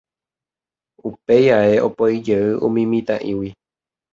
Upéi ae opoijey umi mitã'ígui.